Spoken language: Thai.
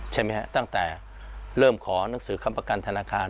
ใช่ไหมฮะตั้งแต่เริ่มขอหนังสือคำประกันธนาคาร